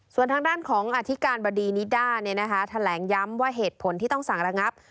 ส่วนทางด้านของอธิการบดีนิด้าแถลงย้ำว่าเหตุผลที่ต้องสั่งระงับ